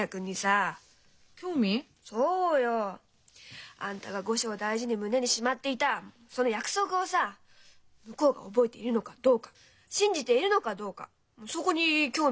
そうよあんたが後生大事に胸にしまっていたその約束をさ向こうが覚えているのかどうか信じているのかどうかそこに興味があるの。